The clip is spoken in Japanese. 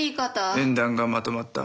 縁談がまとまった。